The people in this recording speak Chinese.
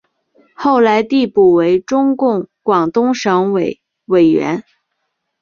后来递补为中共广东省委委员。